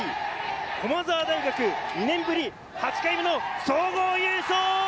駒澤大学、２年ぶり８回目の総合優勝！